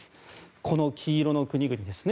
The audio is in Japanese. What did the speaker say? この黄色の国々ですね。